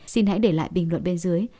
xin hãy để lại bình luận bên dưới